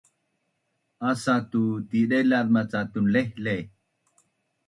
Asa tu tidailaz maca tunlehleh